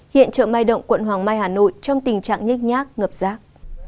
hiện chợ mai động quận hoàng mai hà nội trong tình trạng nhích nhác ngập rác